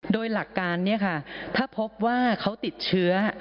โดยหลักการถ้าพบว่าเขาติดเชื้อ